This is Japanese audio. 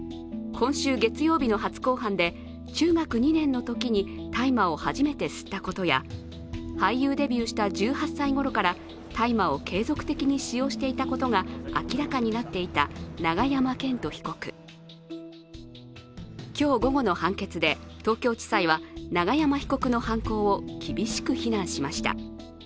今週月曜日の初公判で中学２年のときに大麻を初めて吸ったことや俳優デビューした１８歳ごろから大麻を継続的に使用していたことが明らかになっていた永山絢斗被告。今日午後の判決で東京地裁は永山被告の犯行を厳しく非難しました。